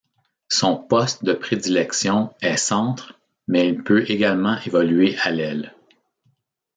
Son poste de prédilection est centre mais il peut également évoluer à l'aile.